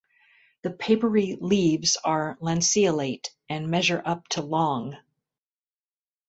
The papery leaves are lanceolate and measure up to long.